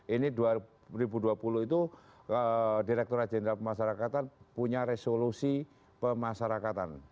ini dua ribu dua puluh itu direkturat jenderal pemasarakatan punya resolusi pemasarakatan